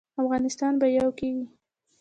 افغانستان به یو کیږي؟